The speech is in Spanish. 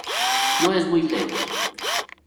No es muy lejos.